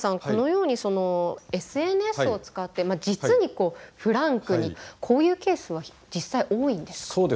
このようにＳＮＳを使って実にフランクにこういうケースは実際多いんですか？